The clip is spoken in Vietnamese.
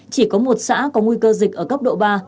chỉ có một xã có nguy cơ dịch ở cấp độ ba